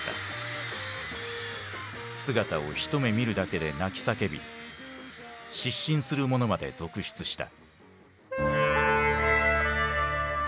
姿を一目見るだけで泣き叫び失神する者まで続出した。